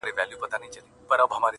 د خپل ژوند عکس ته گوري’